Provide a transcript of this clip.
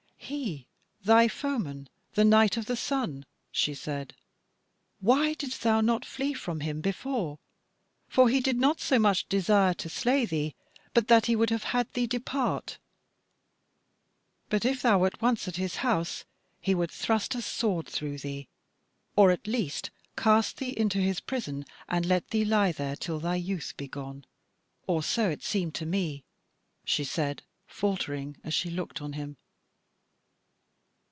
"He, thy foeman, the Knight of the Sun," she said. "Why didst thou not flee from him before? For he did not so much desire to slay thee, but that he would have had thee depart; but if thou wert once at his house, he would thrust a sword through thee, or at the least cast thee into his prison and let thee lie there till thy youth be gone or so it seemed to me," she said, faltering as she looked on him.